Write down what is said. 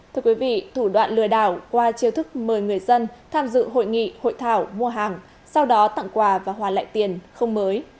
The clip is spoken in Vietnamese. thưa quý vị thủ đoạn lừa đảo qua chiêu thức mời người dân tham dự hội nghị hội thảo mua hàng sau đó tặng quà và hoàn lại tiền không mới